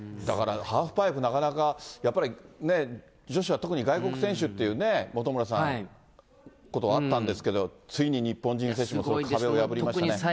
だからハーフパイプ、なかなかやっぱり、女子は特に外国選手っていうね、本村さん、ことあったんですけれども、ついに日本人選手が壁を破りましたね。